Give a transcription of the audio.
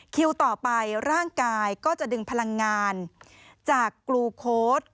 คิวต่อไปร่างกายก็จะดึงพลังงานจากกลูโค้ด